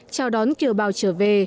chào đón kiều bào trở về